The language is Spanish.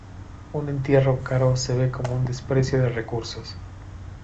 Un entierro caro se ve como un desperdicio de recursos.